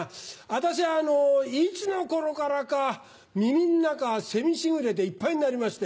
私はいつの頃からか耳の中せみ時雨でいっぱいになりまして。